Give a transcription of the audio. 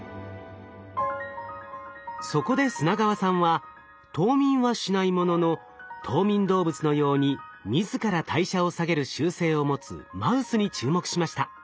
そこで砂川さんは冬眠はしないものの冬眠動物のように自ら代謝を下げる習性を持つマウスに注目しました。